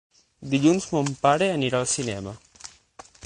Dilluns mon pare anirà al cinema.